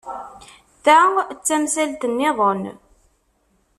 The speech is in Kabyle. Ta d tamsalt niḍen.